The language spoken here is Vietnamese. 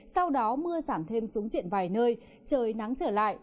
sau đó mưa giảm thêm xuống diện vài nơi trời nắng trở lại